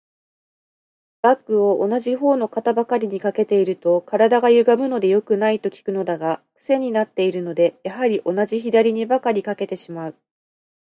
バッグを同じ方の肩ばかりに掛けていると、体がゆがむので良くない、と聞くのだが、クセになっているので、やはり同じ左にばかり掛けてしまう。